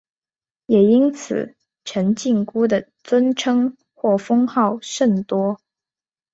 也因此陈靖姑的尊称或封号甚多。